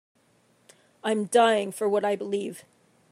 I'm dying for what I believe.